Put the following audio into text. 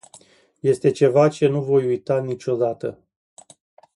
Este ceva ce nu voi uita niciodată.